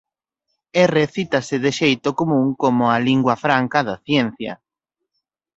R cítase de xeito común como a "lingua franca" da ciencia.